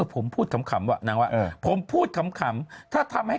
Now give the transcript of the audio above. ผมพูดขำว่านางว่าเออผมพูดขำถ้าทำให้